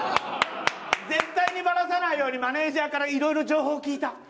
絶対にばらさないようにマネジャーから色々情報聞いた。